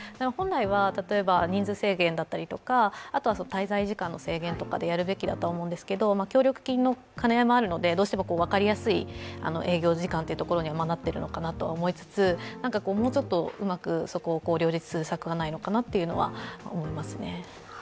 本来は人数制限だったりとか、滞在時間の制限でやるべきだと思うんですけれども協力金の兼ね合いもあるので、どうしても分かりやすい営業時間になっているのかなと思いつつ、もうちょっとうまく、両立策はないのかなっていうのは思いますね。